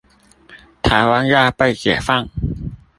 台灣要被解放